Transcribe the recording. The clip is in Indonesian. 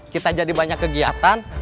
kita jadi banyak kegiatan